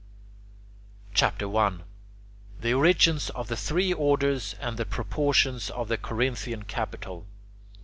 CHAPTER I THE ORIGINS OF THE THREE ORDERS, AND THE PROPORTIONS OF THE CORINTHIAN CAPITAL 1.